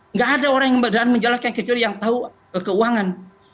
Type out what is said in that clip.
nggak ada orang yang menjelaskan kecuali yang tahu keuangan